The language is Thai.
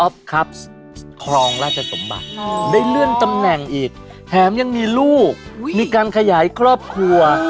ผัวอ่าาา